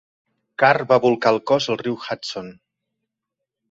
Carr va bolcar el cos al riu Hudson.